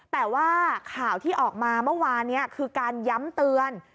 แต่ว่าข่าวที่ออกมาเมื่อวานนี้คือการย้ำเตือน